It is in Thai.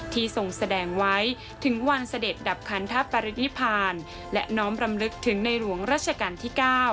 ทรงแสดงไว้ถึงวันเสด็จดับคันทปรินิพานและน้อมรำลึกถึงในหลวงราชการที่๙